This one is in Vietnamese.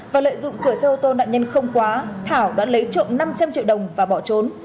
và lợi dụng cửa xe ô tô nạn nhân không quá thảo đã lấy trộm năm trăm linh triệu đồng và bỏ trốn